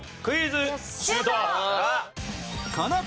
クイズ。